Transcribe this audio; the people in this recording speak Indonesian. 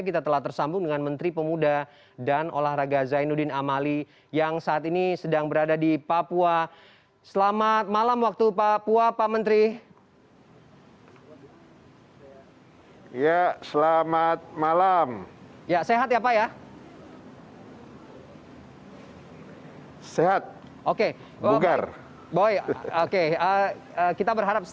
kita telah tersambung dengan menteri pemuda dan olahraga zainuddin amali yang saat ini sedang berada di papua